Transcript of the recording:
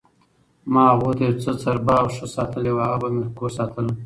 ما هغو ته یوه څربه اوښه ساتلې وه، هغه به مې کور ساتله،